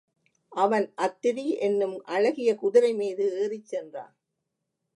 அவன் அத்திரி என்னும் அழகிய குதிரைமீது ஏறிச் சென்றான்.